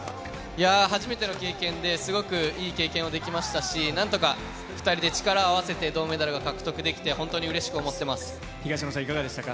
初めての経験で、すごくいい経験ができましたし、なんとか２人で力を合わせて銅メダルが獲得できて、本当にうれし東野さん、いかがでしたか？